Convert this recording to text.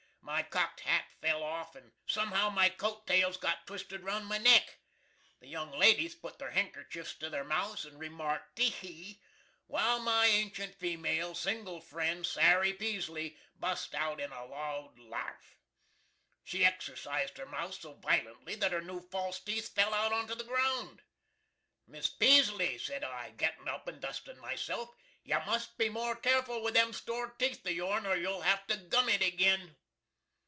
My cockt hat fell off, and sumhow my coat tales got twisted round my neck. The young ladies put their handkerchers to their mouths and remarked: "Te he," while my ancient female single friend, Sary Peasley, bust out in a loud larf. She exercised her mouth so vilently that her new false teeth fell out onto the ground. "Miss Peaseley," sed I, gittin up and dustin myself, "you must be more careful with them store teeth of your'n or you'll have to gum it agin!"